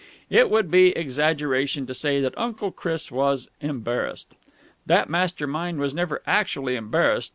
It would be exaggeration to say that Uncle Chris was embarrassed. That master mind was never actually embarrassed.